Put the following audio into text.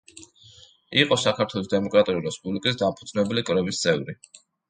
იყო საქართველოს დემოკრატიული რესპუბლიკის დამფუძნებელი კრების წევრი.